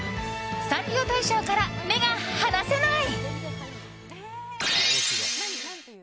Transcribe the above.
サンリオ大賞から目が離せない。